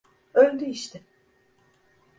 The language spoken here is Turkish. Öldü işte.